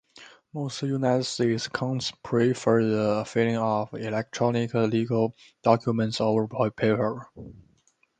Most United States' courts prefer the filing of electronic legal documents over paper.